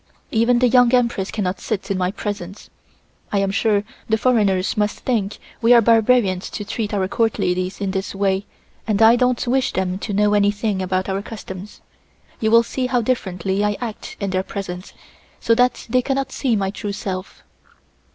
Even the Young Empress cannot sit in my presence. I am sure the foreigners must think we are barbarians to treat our Court ladies in this way and I don't wish them to know anything about our customs. You will see how differently I act in their presence, so that they cannot see my true self."